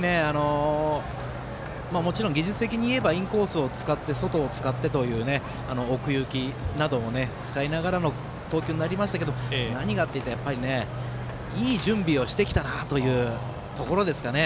もちろん技術的に言えばインコースを使って外を使ってという奥行きなども使いながらの投球になりましたけど何がっていったら、やっぱりねいい準備をしてきたなというところですかね。